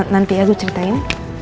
nanti ya gue ceritain